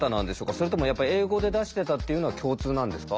それともやっぱり英語で出してたっていうのは共通なんですか？